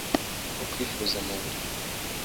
ko akwifuza mu buriri